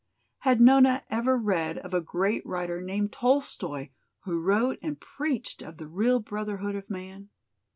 Had Nona ever read of a great writer named Tolstoi, who wrote and preached of the real brotherhood of man?